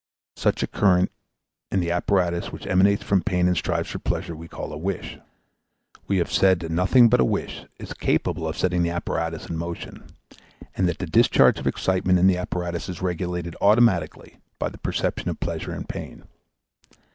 Such a current in the apparatus which emanates from pain and strives for pleasure we call a wish. We have said that nothing but a wish is capable of setting the apparatus in motion, and that the discharge of excitement in the apparatus is regulated automatically by the perception of pleasure and pain.